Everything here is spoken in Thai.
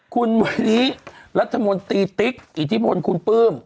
คุณวันนี้รัฐมนตรีติ๊กอิทธิพลคุณปลื้ม